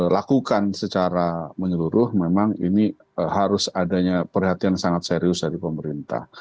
lakukan secara menyeluruh memang ini harus adanya perhatian sangat serius dari pemerintah